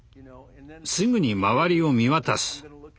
すぐに周りを見渡す。